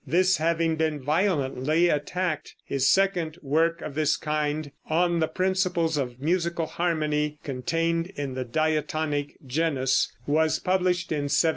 This having been violently attacked, his second work of this kind, "On the Principles of Musical Harmony Contained in the Diatonic Genus," was published in 1767.